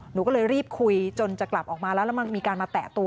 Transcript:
หนูก็เลยรีบคุยจนจะกลับออกมาแล้วแล้วมันมีการมาแตะตัว